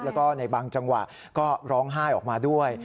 แล้วก็ในบางจังหวะก็ร้องไห้ออกมาด้วย